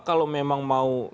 kalau memang mau